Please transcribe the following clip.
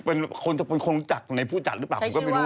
เป็นคนรู้จักในผู้จัดหรือเปล่าผมก็ไม่รู้